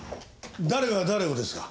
誰が誰をですか？